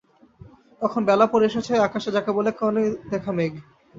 তখন বেলা পড়ে এসেছে, আকাশে যাকে বলে কনে-দেখা মেঘ।